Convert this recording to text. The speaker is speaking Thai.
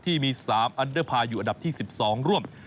ที่มี๓อัดภาพอยู่อัดับที่๑๒ร่วม